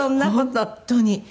本当に。